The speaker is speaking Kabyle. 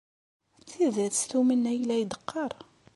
D tidet tumen ayen i la d-teqqar?